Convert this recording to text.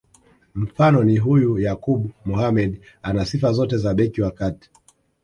Mfano ni huyu Yakub Mohamed ana sifa zote za beki wa kati